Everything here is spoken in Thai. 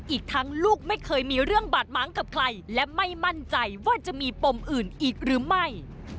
อีกทั้งลูกไม่เคยมีเรื่องบาดม้างกับใครและไม่มั่นใจว่าจะมีปมอื่นอีกหรือไม่